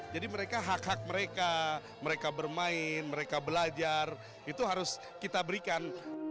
jadi mereka hak hak mereka mereka bermain mereka belajar itu harus kita berikan